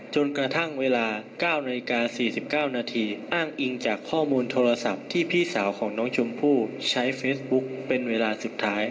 จนกระทั่งเวลา๙นาฬิกา๔๙นาทีอ้างอิงจากข้อมูลโทรศัพท์ที่พี่สาวของน้องชมพู่ใช้เฟซบุ๊กเป็นเวลาสุดท้าย